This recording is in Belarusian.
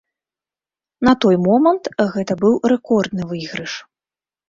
На той момант гэта быў рэкордны выйгрыш.